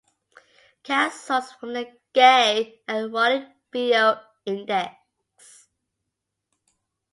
Cast sourced from the "Gay Erotic Video Index".